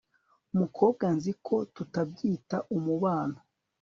mukobwa nzi ko tutabyita umubano